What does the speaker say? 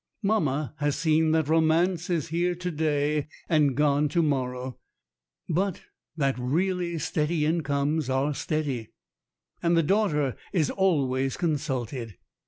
Mamma has seen that romance is here to day and gone to morrow, but that really steady incomes are steady. And the daughter is always consulted.